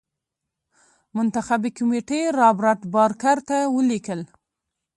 منتخبي کمېټې رابرټ بارکر ته ولیکل.